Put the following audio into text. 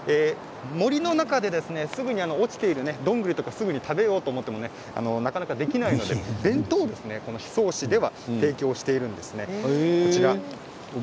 森の中で落ちているどんぐりとかを食べようと思ってもなかなかすぐにはできないのでお弁当を宍粟市では提供しているんですね。